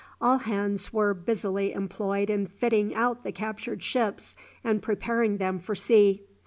All hands were busily employed in fitting out the captured ships and preparing them for sea.